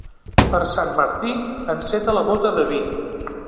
Per Sant Martí, enceta la bóta del vi.